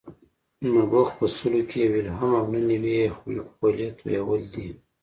نبوغ په سلو کې یو الهام او نهه نوي یې خولې تویول دي.